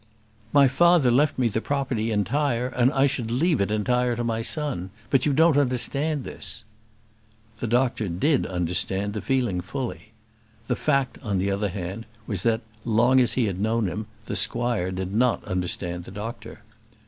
"My father left me the property entire, and I should leave it entire to my son; but you don't understand this." The doctor did understand the feeling fully. The fact, on the other hand, was that, long as he had known him, the squire did not understand the doctor.